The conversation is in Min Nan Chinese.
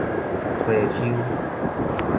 花鰍